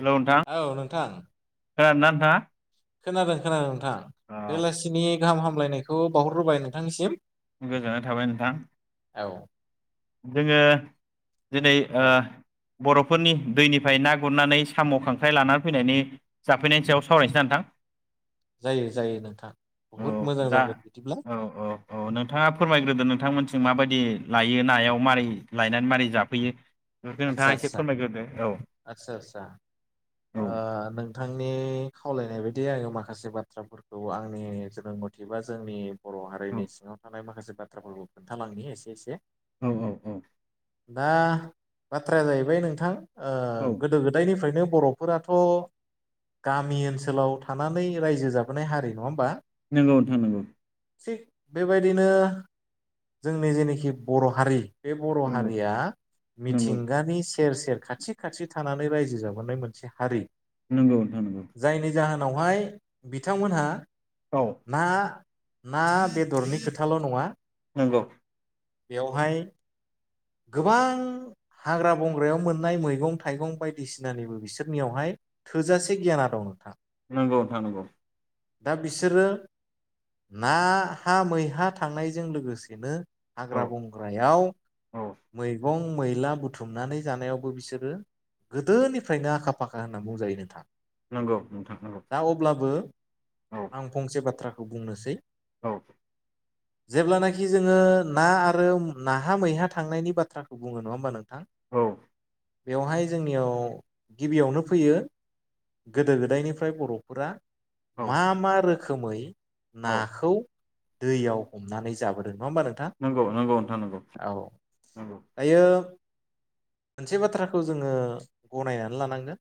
Hello नोंथां औ नोंथां खोनादोंना नोंथाङा खोनादों खोनादों हा अ बेलासिनि गाहाम हामलायनायखौ बावहरग्रोबाय नोंथांनिसिम गोजोननाय थाबाय नोंथां औ जोङो दिनै ओ। औ बर'फोरनि दैनिफ्राय ना गुरनानै साम' खांख्राइ लाना फैनायनि जाफैनायनि सायाव सावरायनोसै ना नोंथां? जायो जायो नोंथां औ बहुद मोजां दा जागोन बिदिब्ला औ औ औ नोंथाङा फोरमायग्रोदो नोंथां मोनसे। जों माबायदि लायो नाय। याव मारै लायनानै मारै जाफैयो। बेखौ आचसा नोंथाङा एसे आचसा फोरमायग्रोदो औ आचसा आचचा औ ओ नोंथांनि खावलायनाय बायदि। बि आंनियाव माखासे बाथ्राफोरखौ आंनि जोनो मथे बा जोंनि। बर' हारिनि औ सिङाव थानाय माखासे। बाथ्राफोरखौ खोन्थालांनि एसे-एसे। औ औ औ। बा। बाथ्राया जाहैबाय नोंथां। औ गोदो गोदायनिफ्रायनो। बर'फोराथ' गामि ओनसोलाव थानानै रायजो जाबोनाय हारि नङा होमबा। नांगौ नोंथां नांगौ। थिग बेबायदिनो जोंनि जेनोखि बर' हारि। बे बर' नंगौ हारिया। नंगौ मिथिंगानि। सेर-सेर, खाथि-खाथि थानानै रायजो जाबोनाय मोनसे हारि। नोंगौ नोंथां नोंगौ। उनावहाय बिथांमोनहा। औ मा? ना-बेदरनि खोथाल' नङा। नोंगौ। बेवहाय गोबां हाग्रा बंग्रायाव मोननाय मैगं थाइगं बायदिसिनानिबो बिसोरनियावहाय थोजासे गियाना दं नोंथां। नोंगौ नोंथां नोंगौ। दा बिसोरो नाहा मैहा थांनायजों लोगोसेनो। औ हाग्रा बंग्रायाव औ मैगं। मैला बुथुमनानै जानायावबो बिसोरो गोदोनिफ्रायनो आखा फाखा होनना बुंजायो नोंथां। नंगौ नोंथां नंगौ। दा अब्लाबो औ आं फंसे बाथ्रा खौ बुंनोसै। औ। जेब्लानाखि जोङो। ना आरो नाहा मैहा थांनायनि बाथ्राखौ बुङो नङा होमबा नोंथां। औ। बेवहाय जोंनियाव गिबियावनो फैयो गोदो‌ गोदायनिफ्राय बर'फोरा। औ मा मा रोखो खोमै औ नाखौ दैयाव हमनानै जाबोदों नङा होमबा नों नोंगौ नोंगौ नोंथा नोंगौ नोंगौ दायो मोनसे बाथ्राखौ जोङो गनायनानै लानांगोन।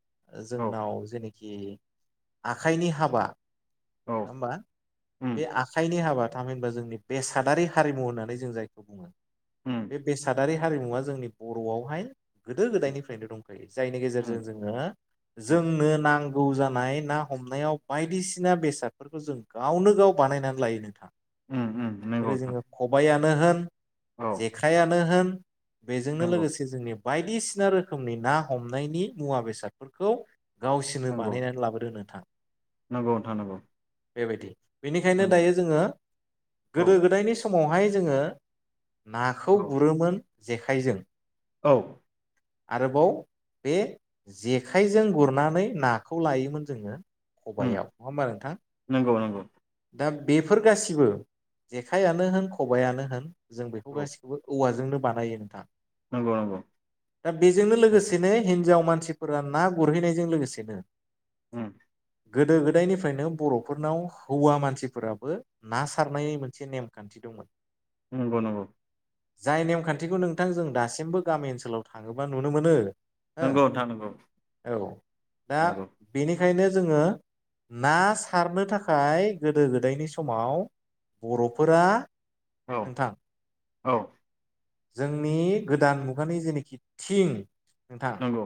औ जोंनाव जे कि आखाइनि हाबा औ नङा होमबा उम बे आखाइनि हाबा थामहिनबा जोंनि बेसादारि हारिमु होननानै जों जायखौ बुङो उम बे बेसादारि हारिमुवा जोंनि बर'आवहाय गोदो उम गोदायनिफ्रायनो दंखायो जायनि गेजेरजों उम जोङो उम जोंनो नां गौ जानाय ना हमनायाव बायदिसिना बेसादफोरखौ जों गावनो गाव बानायनानै लायो नोंथां। उम नंगौ जेरै नोंथां जोङो खबाया नो होन औ जेखायानो होन बेजोंनो नंगौ लोगोसे जोंनि बायदिसिना रोखोमनि ना हमनायनि मुवा बेसादफोरखौ गावसिरनो नंगौ बानायनानै लाबोदों नोंथां नंगौ नोंथां नंगौ। बेबायदि बेनिखायनो नंगौ दायो जोङो औ गोदो गोदायनि समाव बहाय जोङो नाखौ औ गुरोमोन जेखाइजों औ आरोबाव बे जेखाइजों गुरनानै नाखौ लायोमोन जोङो उम खबाइआव नङा होमबा नोंथां नंगौ नंगौ दा बेफोर गासिबो जेखायानो होन खबायानो होन जों बेखौ औ गासिखौबो औवा जोंनो बानायो नोंथाङा नंगौ नंगौ दा बेजोंनो लोगोसेनो हिनजाव मान मानसिफोरा ना गुरहैनायजों लोगोसेनो ह गोदो गोदायनिफ्रायनो बर'फोरनाव हौवा मानसिफोराबो ना सारनाय मोनसे नेमखान्थि दंमोन नंगौ नंगौ जाय नेमखान्थिखौ नोंथां जों दासिमबो गामि ओनसोलाव थाङोबा नुनो मोनो हो नंगौ नोंथा नंगौ नंगौ बेखायनो जोङो ना सारनो थाखाय गोदो गोदायनि समाव बर'फोरा औ नोंथां औ जोंनि गोदान मुगानि जेनाखि थिं नोंथां नंगौ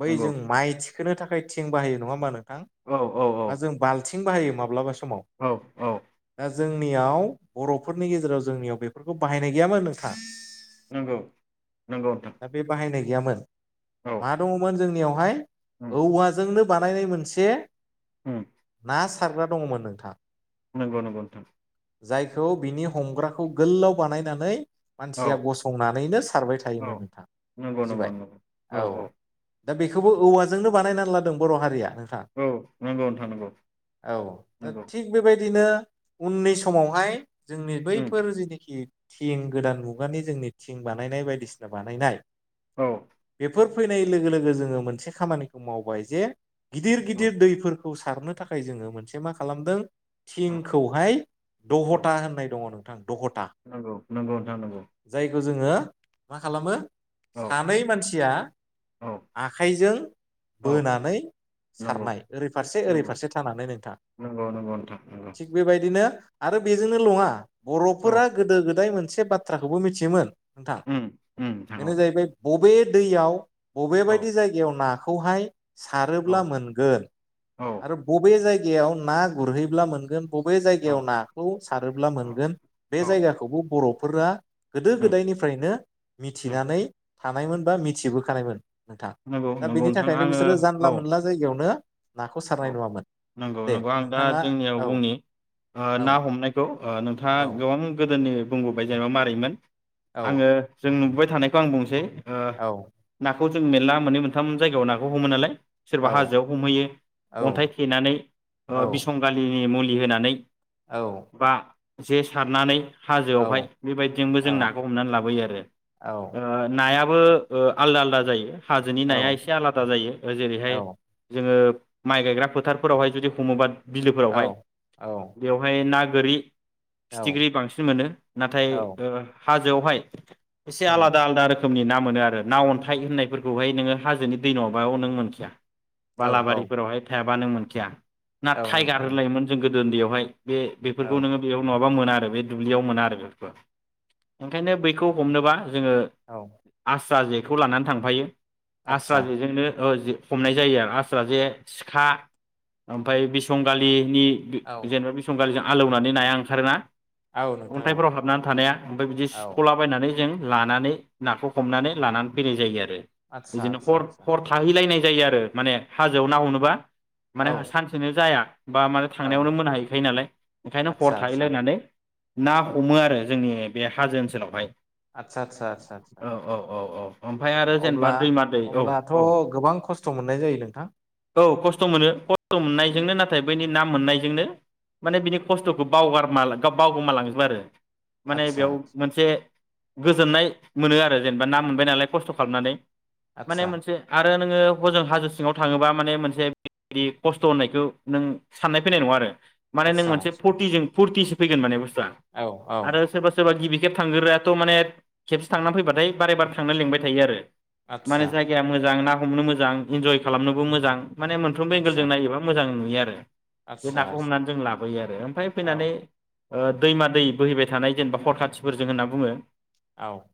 बै जों नंगौ माइ सोनो थाखाय थिं बाहायो नङा मानो औ औ औ बा जों बाल आथिं बाहायो माब्लाबो औ औ जोंनियाव बर'फोरनि गेजेराव जोंनियाव बेफोरखौ बाहायनाय गैयामोन नोंथाङ नंगौ नंगौथां बे बाहायनाय गैयामोन मा दङमोन जोंनियावहाय उम औ औवाजोंनो बानायनाय मोनसे ह ना सारग्रा दङमोन नोंथां नंगौ नंगौ नोंथां जायखौ बिनि हमग्राखौ गोलाव बानायनानै औ या गसंनानैनो सारबाय औ थायोमोन नोंथां नंगौ नंगौ बुजिबाय नंगौ औ दा औ बेखौबो औवाजोंनो बानायना लादों बर हारिया नोंथां औ नंगौ नोंथां नंगौ औ नंगौ थिग दा बे बाय बिदिनो उननि समावहाय जोंनि उम बैफोर जेनोखि थिं गोदान मुं मुगानि जोंनि थिं बानायनाय बायदिसिना बानायनाय औ बेफोर फैनाय लोगो लोगो जोङो मोनसे खामानिखौ मावबाय जे गिदिर औ गिदिर दैफोर खौ सारनो थाखाय जोङो मोनसे मा खालामदों? औ थिंखौहाय औ दहथा होननाय दङ नों नंगौ नोंगौ नोंथां नं जायग खो जोङो मा खालामो? औ सानै मानसिया औ आखाइजों औ बोनानै नंगौ सारनाय ओरै फारसे ओरै नंगौ फारसे थानानै नोंथां नंगौ नंगौ नोंथां नंगौ थिग बेबायदिनो। आरो बेजोंनो लङा। बर औ फोरा गोदो गोदाय मोनसे [unintelligible] थ्राखौबो मिथियोमोन। नोंथा उम उम नोंथां औ बेनो जाहैबाय। बबे दैयाव। बबे औ बायदि जायगायाव नाख खौहाय। औ सारोब्ला मोनगोन। औ आरो बबे जायग गायाव ना गुरहैब्ला मोनगोन। बबे औ जायगायाव नाखौ सारोब्ला औ मोनगोन बे औ जायगाखौबो बरफ फोरा गोदो उम गोदायनिफ्रायनो उम मिथिनानै। थानायमोनबा मिथिबोखानायमोन। नोंथा नंगौ दा नंगौ बेनि नोंथां थाखायनो आङो बिसोरो जानला औ मोनला जायगायावनो। नाखौ औ सारनाय नङामोन नोंगौ दे नोंगौ आं दा नोंथाङा जोंनियाव औ बुंनि। ओ औ ना हमनायखौ ओ नोंथाङा औ गोबां गोदोनि बुंबोबाय जेनेबा मारैमोन। औ आङो जों नुबोबाय थानायखौ आं बुंसै। औ। खौ जों मेल्ला मोन्नै मोन्थाम जायगायाव नाखौ हमो नालाय। सोरबा औ हाजोआव हमहैयो अन्थाइ थेनानै औ ओ बिसंगालि नि मुलि होनानै। औ। बा जे सारनानै हाजोआवहाय बेबायदिजोंबो औ जों नाखौ हमनानै लाबोयो आरो। ओ नाया बो ओ आलदा आलदा जायो। हाजोनि नाया एसे आलादा जायो। जेरैहाय जोङो माइ गायग्रा फोथारफोरावहाय जुदि हमोबा बिलोफोरावहाय औ बेवहाय ना गोरि औ औ फिथिख्रि बांसिन मोनो। नाथाय ओ हाजोआवहाय एसे आलादा आलादा रोखोम नि ना मोनो आरो ना अन्थाइ होननायफोरखौहाय नोङो हाजोनि दै नङाबा नों मोनखाया। औ औ। थायाबा नों मोनखाया। ना टाइगार होलायोमोन जों गो दो उन्दैयावहाय बे औ बेफोरखौ नोङो बेयाव नङा बा मोना आरो बे दुब्लियाव मोना आरो बेफोरखौ। ओंखायनो बैखौ हमनोबा जोङो औ आस्रा जे खौ लानानै थांफायो। आस्रा आदसा जेजोंनो औ हमनाय जायो आरो आस्रा जे सिखा ओमफाय बिसंगालिनि औ जेनेबा बेसंगालि जा आलौनानै नाया ओंखारोना औ नोंथां औ अन्थाइफोराव हाबनानै थानाया ओमफ्राय बिदि औ सिख'लाबायनानै जों लानानै नाखौ हमनानै लानानै फैनाय जायो आरो आदसा बिदिनो आदसा हर आदसा हर थाहैलायनाय जायो आरो माने हाजोआव ना हनो बा माने औ सानसेनो जाया बा माने औ थांनायावनो मोनाहैखायो नालाय ओंखायनो हर आदसा आदसा थाहैलायनानै ना हमो आरो जोंनि बे हाजो ओनसोलावहाय आचसा आचसा आचसा औ औ औ औ ओमफ्राय आ आरो जेनेबा अब्ला दैमा दै औ अब्लाथ' औ गोबां खस्थ' मोननाय जायो नोंथां औ खस्थ' मोनो खस्थ' मोननायजोंनो नाथाय बैनि ना मोननायजोंनो माने बिनि खस्थ'खौ बावगार बावगोमालांजोबबो आरो माने आदसा बेयाव आदसा मोनसे गोजोननाय मोनो आरो जेनेबा ना मोनबाय नालाय खस्थ' खालामनानै। माने आदसा मोनसे आ आरो नोङो हजों हाजो सिङाव थाङोबा माने मोनसेदि खस्थ' होननायखौ नों साननाय फैनाय नङा आरो। माने नों मोनसे आदसा फटिजों फुरटिसिम फैगोन माने बुस थुवा औ औ आरो सोरबा सोरबा गिबि खेब थांग्रोयाथ' माने खेबसे थांनानै फैबाथाय बारे बार थांनो लेंंबाय थायो आरो। माने आदसा जायगाया मोजां ना हमनो मोजां इन्जय खालामनोबो मोजां जां माने मोनफ्रोमबो आदसा एंगेलजों नायोबा मोजां। नुयो आरो बे आदसा नाखौ आदसा हमनानै जों लाबोयो आरो ओमफ्राय औ फैनानै ओ दैमा दै बोहैबाय थानाय जेनेबा फरखाथिफोरजों होनना बुङो। औ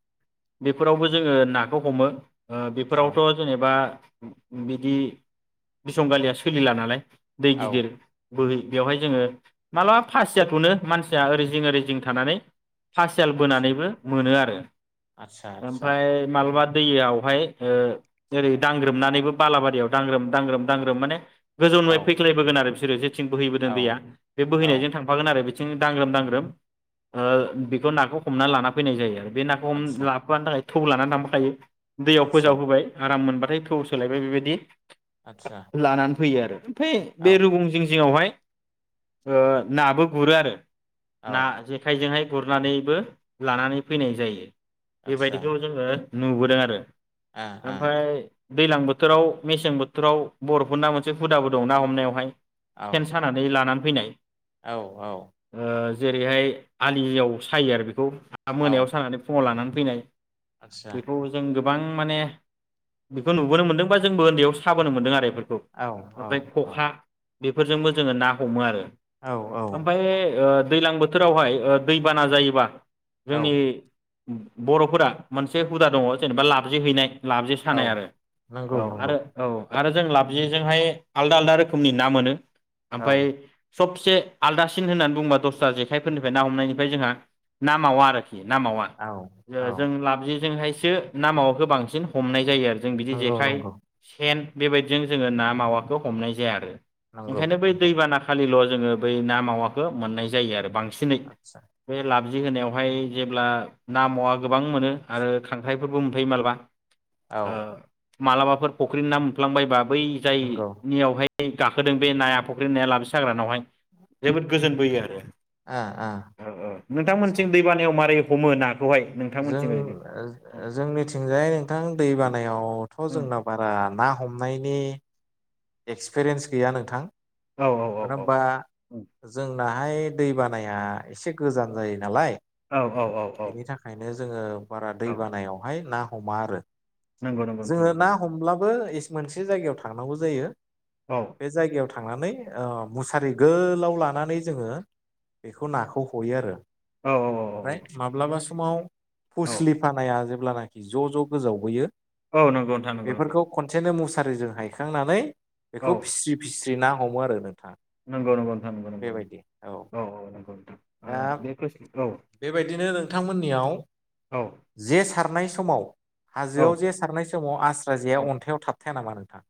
बेफोरावबो जोङो नाखौ हमो। ओ औ बेफोरावथ' जेनेबा। बिदि बिसं गालिया सोलिला नालाय दै औ गिदिर बोहै बेवहाय जोङो मालाबा फासिया थ'नो मानसिया ओरै जिं ओरै जिं थानानै फासियाल आदसा बोनानैबो मोनो आरो आदसा आदसा ओमफाय मालाबा दैयावहाय ओ ओरै दांग्रोमनानैबो बालाबारियाव दांग्रोम दांग्रोम दांग्रोम माने औ गोजौनि फ्राय फैख्लायबोगोन आरो [unintelligible] सिम बोहैबोदों औ दैया बे औ बोहैनायजों थांफागोन आरो बि थिं दांग्रोम दांग्रोम ओ बेखौ नाखौ हमना लाना फैनाय जायो आरो। बे नाखौ हम आदसा लाबोफानो थाखाय थौ लानानै थांफा खायो दैयाव आदसा फोजाव होबाय आराम मोनबा फ्राय थौ सोलायबाय बेबायदि आतसा लानानै फैयो आरो फै बे रुगुं जिं जिङावहाय ओ नाबो गुरो आरो। औ ना जेखायजोंहाय गुरनानैबो लानानै फैनाय जायो। आदसा बेबायदिखौ जोङो नुबोदों आरो। ओमफ्राय दैज्लां बोथोराव मेसें बो थोराव बर'फोरना मोनसे हुदाबो दं ना हमनायावहाय ओ ओ सेन सानानै लानानै फैनाय। औ औ। ओ जेरैहाय आलियाव सायो आरो बेखौ औ मोनायाव औ सानानै फुङाव लानानै फैनाय आदसा बेखौ जों गो बां माने बेखौ नुबोनो मोनदोंबा जोंबो उन्दैयाव साबोनो मोनदों आरो एफोर औ औ औ। बेफोरजोंबो जोङो ना हमो आरो। औ ओमफ्राय ओ दैज्लां बोथोरावहाय ओ दैबाना जायोबा औ जोंनि बर'फोरा मोनसे हुदा दङ जेनोबा लाबजे हैैनाय। लाबजे औ सानाय आरो। नंगौ औ नंगौ आरो आरो जों लाबजेजोंहाय आलदा आलदा रोखोमनि ना मोनो। औ ओमफ्राय सबसे आलदासिन होननानै बुंङो बा दस्रा जेखाइफोरनिफ्राय ना हमनायनिफ्राय जोंहा ना मावा आरो ना मावा। औ औ ओ जों लाबजे जोंहाय सो ना मावखौ बांसिन हमनाय जायो आरो। जों बिदि नंगौ जेखाइ नंगौ सेन बेबायदिजों जोङो ना मावाखौ हमनाय जाया आरो। नंगौ ओंखायनो बै नंगौ दैबाना खालिल' ‌ जोङो बै ना मावाखौ मोननाय जायो आरो बां सिनै आदसा बे लाब जि होनायावहाय जेब्ला ना मावा गोबां मोनो आरो खांख्राइफोरबो मोनफायो मालाबा। औ मालाबाफोर फख्रि ना मोनफ्लांबायबा बै नंगौ जायनियावहाय गाखोदों बे नाया फुख्रि नाया लाबजे साग्रानावहाय जोबोद गोजोनबोयो आरो ओ ओ आदसा नोंथांमोनसिं दैबानायाव मारै हमो ना जों जोंनिथिंजाय नोंथां दै बानायावथ' जोंना बारा ना हमनायनि एक्सपिरियेन्स गैया नोंथां। औ औ मानो औ औ होबा जों नाहाय दै बानाया एसे गोजान जायो नालाय। औ औ औ औ बेनि थाखायनो जोङो बारा दै औ बानायावहाय ना हमा आरो नंगौ नंगौ नोंथां जोंङो नंगौ ना नंगौ हमब्लाबो एसे मोनसे जायगायाव थांनांगौ जायो। औ बे जायगायाव थां थांनानै ओ मुसारि गोलाव लानानै जोंङो बेखौ नाखौ हयो आरो औ औ ओमफ्राय माब्लाबा स समाव औ फुस्लि फानाया होमबानाखि ज' ज' गोजावबोयो। औ नंगौ नोंथां नंगौ । सारिजों हायखांनानै बेखौ फिस्रि -फिस्रि ना हमो आरो नोंथां। नंगौ- नंगौ नोंथां नंगौ- नंगौ औ औ नंगौ दा नोंथां। बेबायदिनो नोंथांमोननियाव औ जे सारनाय समाव औ हाजोआव जे सारनाय समाव आस्रा जेआ औ अन्थायाइाव थाबथायाया नामा नों थां?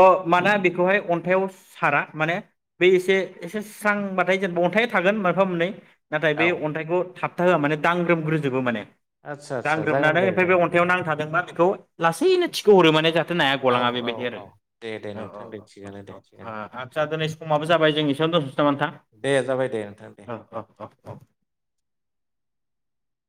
अ' माने बेखौहाय अन्थाइाव सारा माने बे एसे एसे स्रांबाथाय जेनेबा अन्थाइ थागोन मोनफा-मोननै नाथाय बे औ अन्थाइखौ थाब थाहोआ माने दांग्रोमग्रोजोबो माने। आदसा आदसा जागोन दांग्रोमनानै दे ओमफ्राय बे जागोन दे अन्थायाव नांथादोंबा बेखौ लासैनो थिखो हरो माने जा हाथे नाया औ गलाङा औ बेबायदि आरो। औ दे दे औ नोंथां दे औ अह अह थिगानो दे अह थिगानो दे आ-आच्छा दे दोनै समाबो जाबाय जों एसेयावनो दोनथ'नोसै नामा नोंथां? दे जाबाय दे नोंथां दे अह दे अह अह अह।